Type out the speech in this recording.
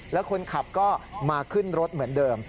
แล้วคนขับก็มาขึ้นรถเหมือนเดิม